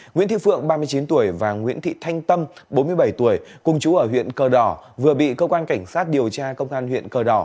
nguyễn thị phượng ba mươi chín tuổi và nguyễn thị thanh tâm bốn mươi bảy tuổi cùng chú ở huyện cờ đỏ vừa bị cơ quan cảnh sát điều tra công an huyện cờ đỏ